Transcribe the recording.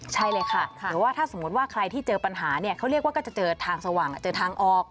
ใช่เลยค่ะหรือว่าถ้าสมมุติว่าใครที่เจอปัญหาเนี่ยเขาเรียกว่าก็จะเจอทางสว่างเจอทางออก